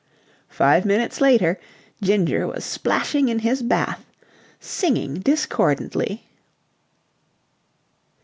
Five minutes later, Ginger was splashing in his bath, singing discordantly.